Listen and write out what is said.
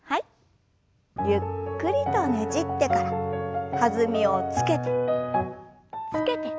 ゆっくりとねじってから弾みをつけてつけて。